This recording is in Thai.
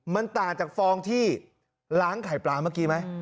มันต่างจากฟองที่ล้างไข่ปลาเมื่อกี้ไหม